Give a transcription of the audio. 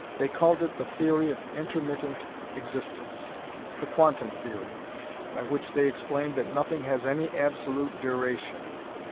They called it the Theory of Intermittent Existence the Quantum Theory by which they explained that nothing has any Absolute Duration.